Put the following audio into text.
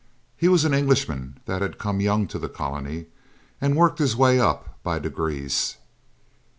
He was an Englishman that had come young to the colony, and worked his way up by degrees.